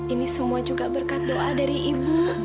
ini semua juga berkat doa dari ibu